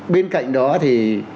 bên cạnh đó thì